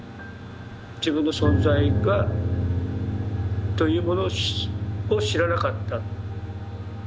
自分の存在というものを知らなかった。